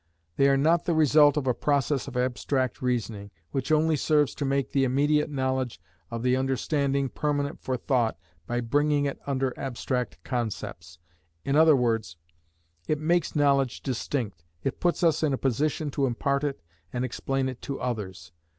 They are not the result of a process of abstract reasoning, which only serves to make the immediate knowledge of the understanding permanent for thought by bringing it under abstract concepts, i.e., it makes knowledge distinct, it puts us in a position to impart it and explain it to others.